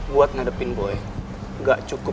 buat ngadepin boleh gak cukup